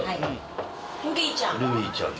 ルビーちゃん。